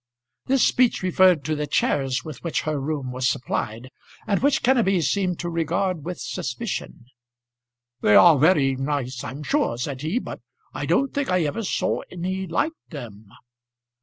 This speech referred to the chairs with which her room was supplied, and which Kenneby seemed to regard with suspicion. "They are very nice I'm sure," said he, "but I don't think I ever saw any like them."